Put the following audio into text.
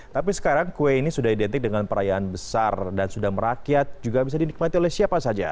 tapi sekarang kue ini sudah identik dengan perayaan besar dan sudah merakyat juga bisa dinikmati oleh siapa saja